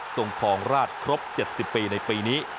ทรงทองราชครบ๗๐ปีในปีนี้